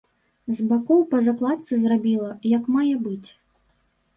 З бакоў па закладцы зрабіла, як мае быць.